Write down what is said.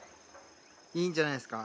いいんじゃないですか？